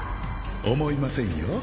思いませんよ